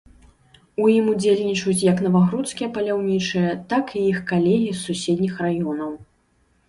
У ім удзельнічаюць як навагрудскія паляўнічыя, так і іх калегі з суседніх раёнаў.